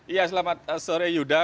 ya selamat sore yuda